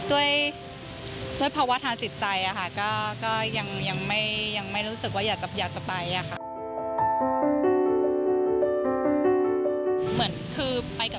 ด้วยภาวะทางจิตใจค่ะก็ยังไม่รู้สึกว่าอยากจะไปอะค่ะ